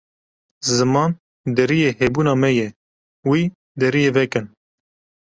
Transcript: Ziman deriyê hebûna me ye, wî deriyî vekin.